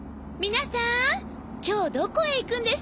皆さん今日どこへ行くんでしたか？